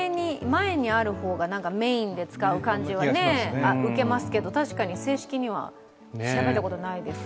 前にある方がメーンで使う感じは受けますけど、確かに正式には調べたことないです。